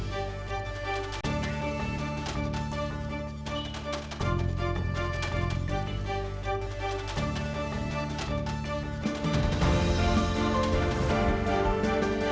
terima kasih pak ismail